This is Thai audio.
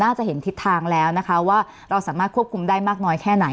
จะเห็นทิศทางแล้วนะคะว่าเราสามารถควบคุมได้มากน้อยแค่ไหน